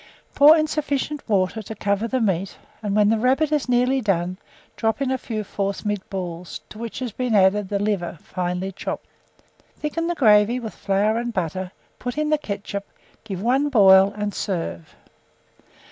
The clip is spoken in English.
Pour in sufficient water to cover the meat, and, when the rabbit is nearly done, drop in a few forcemeat balls, to which has been added the liver, finely chopped. Thicken the gravy with flour and butter, put in the ketchup, give one boil, and serve.